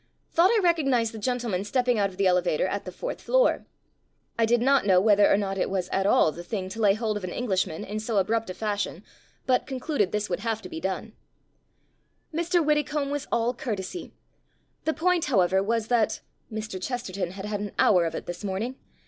Thought I recognized the gentleman stepping out of the elevator at the fourth floor. I did not know whether or not it was at all the thing to lay hold of an Englishman in so abrupt a fashion, but concluded this would have to be done. Mr. Widdecombe was all courtesy. The point, however, was that "Mr. Chesterton had had an hour of it this morning.